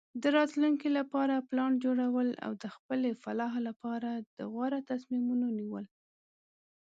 د راتلونکي لپاره پلان جوړول او د خپلې فلاح لپاره د غوره تصمیمونو نیول.